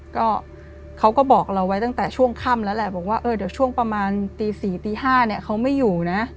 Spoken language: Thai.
ก็เขาก็บอกเราไว้ตั้งแต่ช่วงค่ำแล้วแหละบอกว่าเออเดี๋ยวช่วงประมาณตี๔ตี๕เนี่ยเขาไม่อยู่นะ